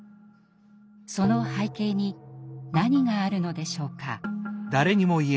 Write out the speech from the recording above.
その背景に何があるのでしょうか。